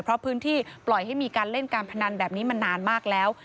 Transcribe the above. เพราะพื้นที่ปล่อยให้มีการเล่นการพนันแบบนี้มานานมากแล้ว